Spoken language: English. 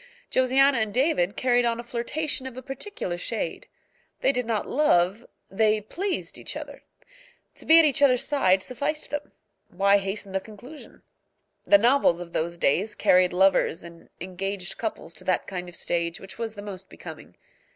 Josiana and David carried on a flirtation of a particular shade. They did not love, they pleased, each other. To be at each other's side sufficed them. Why hasten the conclusion? The novels of those days carried lovers and engaged couples to that kind of stage which was the most becoming.